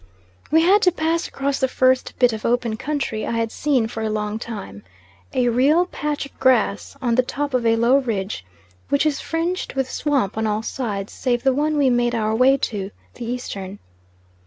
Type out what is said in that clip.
We had to pass across the first bit of open country I had seen for a long time a real patch of grass on the top of a low ridge, which is fringed with swamp on all sides save the one we made our way to, the eastern.